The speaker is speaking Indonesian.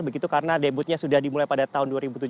begitu karena debutnya sudah dimulai pada tahun dua ribu tujuh belas